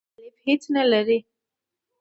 الیف هیڅ نه لری.